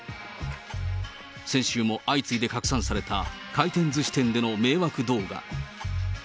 先週も相次いで拡散された、回転ずし店での迷惑動画。